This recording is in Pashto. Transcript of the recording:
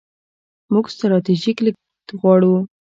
موږ ستراتیژیک لید غواړو.